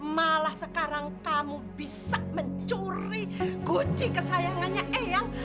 malah sekarang kamu bisa mencuri kunci kesayangannya eyang